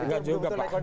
tidak juga pak